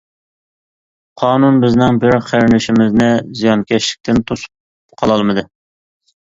-قانۇن بىزنىڭ بىر قېرىندىشىمىزنى زىيانكەشلىكتىن توسۇپ قالالمىدى.